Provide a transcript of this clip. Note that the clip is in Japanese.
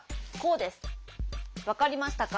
わかりましたか？